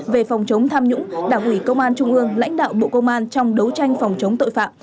về phòng chống tham nhũng đảng ủy công an trung ương lãnh đạo bộ công an trong đấu tranh phòng chống tội phạm